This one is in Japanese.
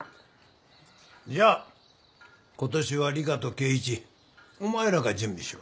じゃあことしは理花と圭一お前らが準備しろ。